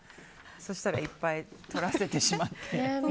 そしたら、いっぱい撮らせてしまって。